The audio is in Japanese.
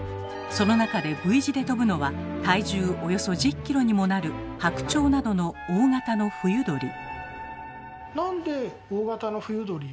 その中でＶ字で飛ぶのは体重およそ１０ｋｇにもなるハクチョウなどの大型の冬鳥。